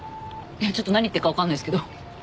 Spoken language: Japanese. いやちょっと何言ってるかわかんないんですけど。